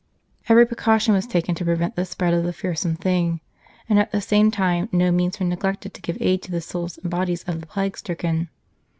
Every precaution was taken to prevent the spread of the fearsome Thing, and at the same time no means were neglected to give aid to the souls and bodies of the plague stricken.